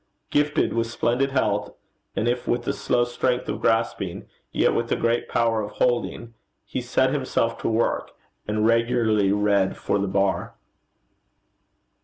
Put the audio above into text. Gifted with splendid health, and if with a slow strength of grasping, yet with a great power of holding, he set himself to work, and regularly read for the bar.